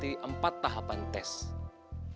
hal ini yang photohaiumer et cetera persona